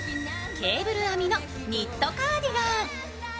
ケーブル編みのニットカーディガン。